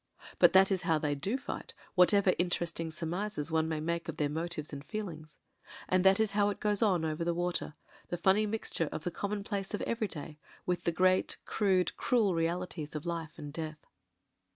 But that is how they do fight, whatever interesting surmises one may make of their motives and feelings. And that is how it goes on over the water — ^the funny mixture of the commonplace of everyday with the great crude, cruel realities of life and death.